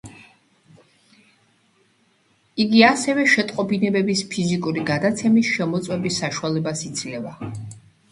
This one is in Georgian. იგი ასევე შეტყობინების ფიზიკური გადაცემის შემოწმების საშუალებას იძლევა.